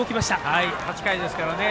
もう８回ですからね。